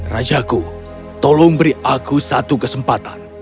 rajaku tolong beri aku satu kesempatan